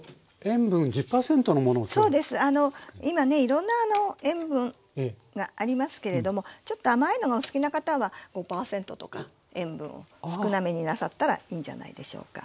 今ねいろんな塩分がありますけれどもちょっと甘いのがお好きな方は５％とか塩分を少なめになさったらいいんじゃないでしょうか。